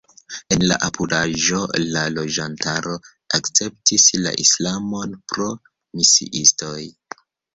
En la apudaĵo la loĝantaro akceptis la islamon pro misiistoj.